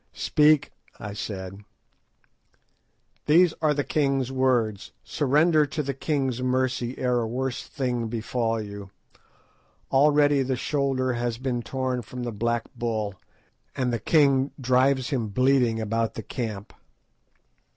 "Speak," I said. "These are the king's words. Surrender to the king's mercy ere a worse thing befall you. Already the shoulder has been torn from the black bull, and the king drives him bleeding about the camp."